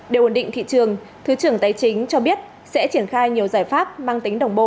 để ổn định thị trường thứ trưởng tài chính cho biết sẽ triển khai nhiều giải pháp mang tính đồng bộ